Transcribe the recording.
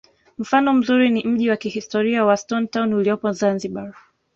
mfano mzuri ni mji wa kihistoria wa stone town uliopo zanzibar